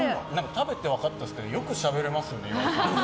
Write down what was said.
食べて分かったんですけどよくしゃべれますね、岩井さん。